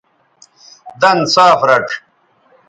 دَن صاف رَڇھ